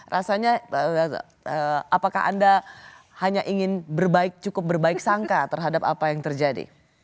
rasanya apakah anda hanya ingin cukup berbaik sangka terhadap apa yang terjadi